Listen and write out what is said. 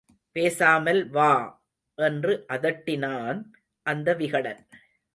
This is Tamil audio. பேசாமல் வா! என்று அதட்டினான் அந்த விகடன்.